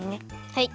はい。